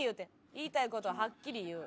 言いたい事ははっきり言う。